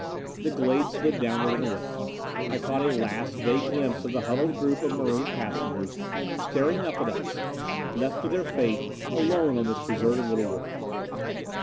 The glade slid downward and away. I caught a last vague glimpse of the huddled group of marooned passengers, staring up at us. Left to their fate, alone on this deserted little world.